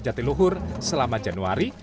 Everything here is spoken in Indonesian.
jatiluhur selama januari